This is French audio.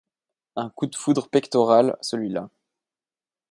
Un coup de foudre pectorale, celui-là !